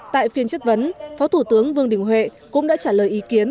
tại phiên chất vấn phó thủ tướng vương đình huệ cũng đã trả lời ý kiến